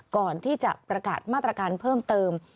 ก่อนที่จะประกาศมาตรการเพิ่มเติม